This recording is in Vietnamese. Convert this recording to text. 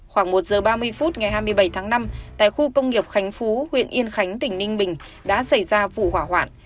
khoảng một giờ ba mươi phút ngày hai mươi bảy tháng năm tại khu công nghiệp khánh phú huyện yên khánh tỉnh ninh bình đã xảy ra vụ hỏa hoạn